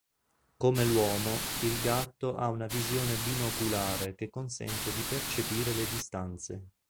Come l'uomo, il gatto ha una visione binoculare che consente di percepire le distanze.